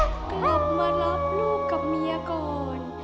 กลับมารับลูกกับเมียก่อน